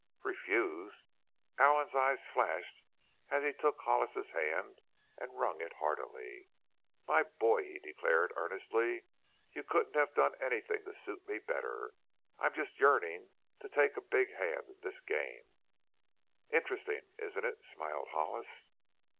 "Refuse!" Allen's eyes flashed as he took Hollis's hand and wrung it heartily. "My boy," he declared earnestly, "you couldn't have done anything to suit me better. I'm just yearning to take a big hand in this game!" "Interesting, isn't it?" smiled Hollis.